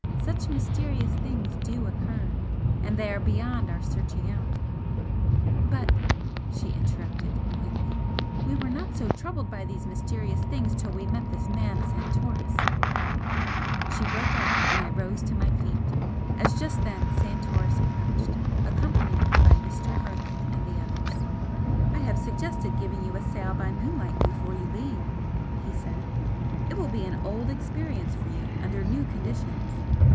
Such mysterious things DO occur, and they are beyond our searching out " "But," she interrupted, quickly "we were not so troubled by these mysterious things till we met this man Santoris " She broke off, and I rose to my feet, as just then Santoris approached, accompanied by Mr. Harland and the others. "I have suggested giving you a sail by moonlight before you leave," he said. "It will be an old experience for you under new conditions.